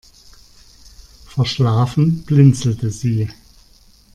Verschlafen blinzelte sie.